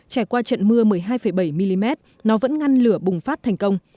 trải qua trận mưa một mươi hai bảy mm nó vẫn ngăn lửa bùng phát thành công